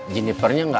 junipernya nggak ada